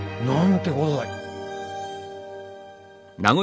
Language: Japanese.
なんてことだい。